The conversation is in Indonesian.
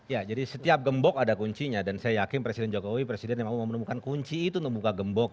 ya jadi setiap gembok ada kuncinya dan saya yakin presiden jokowi presiden yang mau menemukan kunci itu untuk buka gembok